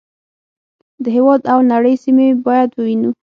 د هېواد او نړۍ سیمې باید ووینو.